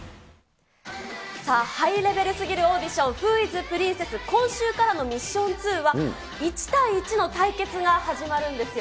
さあ、ハイレベルすぎるオーディション、ＷｈｏｉｓＰｒｉｎｃｅｓｓ？、今週からのミッション２は、１対１の対決が始まるんですよ。